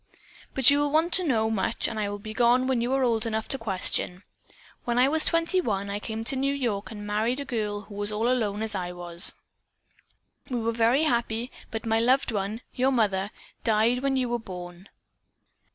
"'But you will want to know much and I will be gone when you are old enough to question. When I was twenty one I came to New York and married a girl who was as all alone as I. We were very happy, but my loved one, your mother, died when you were born.